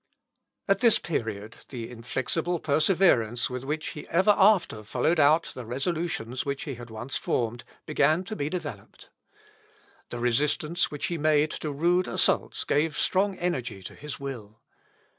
At this period, the inflexible perseverance with which he ever after followed out the resolutions which he had once formed, began to be developed. The resistance which he made to rude assaults gave strong energy to his will.